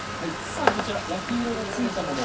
さあこちら焼き色がついたもの。